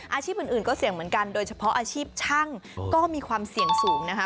อาชีพอื่นก็เสี่ยงเหมือนกันโดยเฉพาะอาชีพช่างก็มีความเสี่ยงสูงนะคะ